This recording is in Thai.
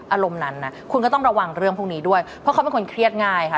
อารมณ์นั้นนะคุณก็ต้องระวังเรื่องพวกนี้ด้วยเพราะเขาเป็นคนเครียดง่ายค่ะ